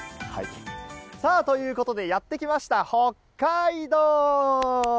ということでやってまいりました、北海道！